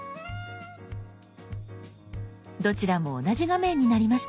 どちらも同じ画面になりました。